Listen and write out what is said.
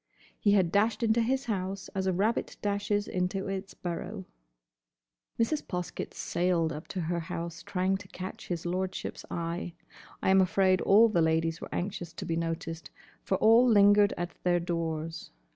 he had dashed into his house as a rabbit dashes into its burrow. Mrs. Poskett sailed up to her house trying to catch his lordship's eye. I am afraid all the ladies were anxious to be noticed, for all lingered at their doors.